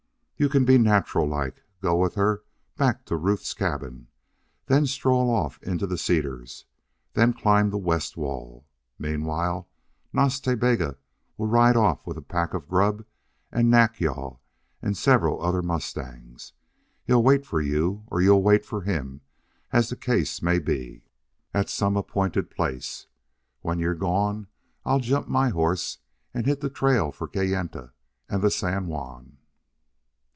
"You can be natural like. Go with her back to Ruth's cabin. Then stroll off into the cedars. Then climb the west wall. Meanwhile Nas Ta Bega will ride off with a pack of grub and Nack yal and several other mustangs. He'll wait for you or you'll wait for him, as the case may be, at some appointed place. When you're gone I'll jump my horse and hit the trail for Kayenta and the San Juan."